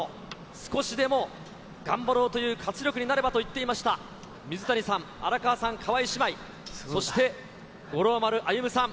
少しでも頑張ろうという活力になればと言っていました水谷さん、荒川さん、川井姉妹、そして五郎丸歩さん。